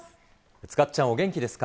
塚っちゃんお元気ですか。